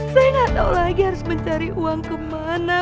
saya gak tau lagi harus mencari uang kemana